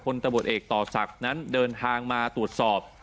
ตำรวจเอกต่อศักดิ์นั้นเดินทางมาตรวจสอบ